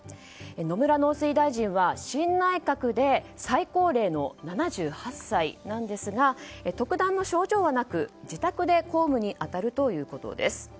野村農水大臣は新内閣で最高齢の７８歳なんですが特段の症状はなく、自宅で公務に当たるということです。